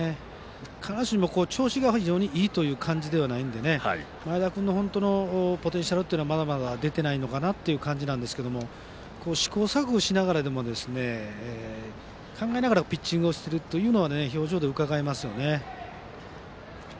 必ずしも調子が非常にいいという形ではないので前田君の本当のポテンシャルがまだ出ていない感じですが試行錯誤しながらでも考えながらピッチングをするというのは表情でうかがえますよね。